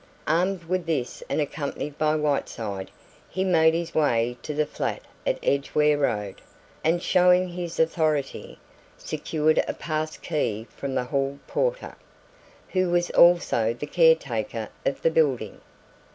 Armed with this and accompanied by Whiteside he made his way to the flat in Edgware Road, and, showing his authority, secured a pass key from the hall porter, who was also the caretaker of the building.